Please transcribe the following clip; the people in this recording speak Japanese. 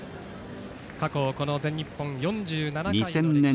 過去この全日本４７回の歴史の中で」。